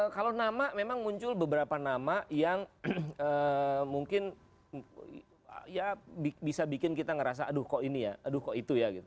kalau nama memang muncul beberapa nama yang mungkin ya bisa bikin kita ngerasa aduh kok ini ya aduh kok itu ya gitu